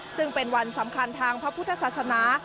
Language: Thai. ซึ่งเป็นวันสำคัญทางพระพุทธศาสนา